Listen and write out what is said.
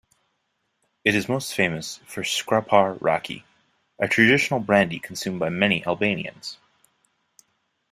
It is most famous for Skrapar Raki, a traditional brandy consumed by many Albanians.